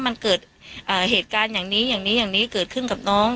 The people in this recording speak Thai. มันเกิดเหตุการณ์อย่างนี้อย่างนี้เกิดขึ้นกับน้อง